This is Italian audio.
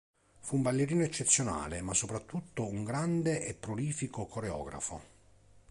Fu un ballerino eccezionale ma soprattutto un grande e prolifico coreografo.